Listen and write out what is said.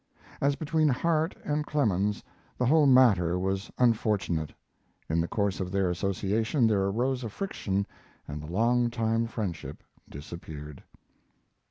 As between Harte and Clemens, the whole matter was unfortunate. In the course of their association there arose a friction and the long time friendship disappeared.